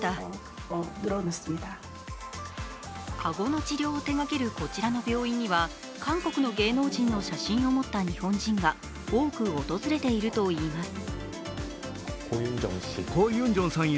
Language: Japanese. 顎の治療を手がけるこちらの病院には、韓国の芸能人の写真を持った日本人が多く訪れているといいます。